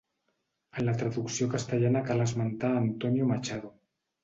En la traducció castellana cal esmentar Antonio Machado.